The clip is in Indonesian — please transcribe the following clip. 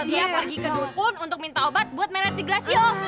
dia pergi ke dukun untuk minta obat buat melek si gracio